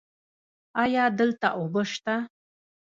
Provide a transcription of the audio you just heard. ایا دلته اوبه شته؟